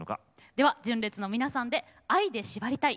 では純烈の皆さんで「愛でしばりたい」。